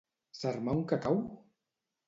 S'armà un cacau!